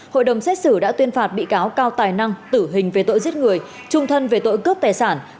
hội đồng xét xử đã tuyên phạt bị cáo cao tài năng tử hình về tội giết người trung thân về tội cướp tài sản